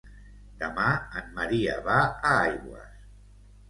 Demà en Maria va a Aigües.